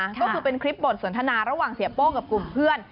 ก็คือเป็นคลิปบทสนทนาระหว่างเสียโป้งกับกลุ่มเพื่อน